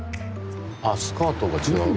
あっスカートが違う？